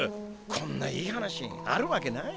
こんないい話あるわけない。